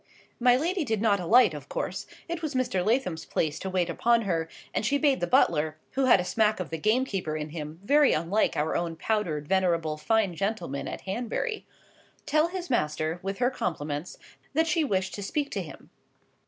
My lady did not alight, of course; it was Mr. Lathom's place to wait upon her, and she bade the butler,—who had a smack of the gamekeeper in him, very unlike our own powdered venerable fine gentleman at Hanbury,—tell his master, with her compliments, that she wished to speak to him.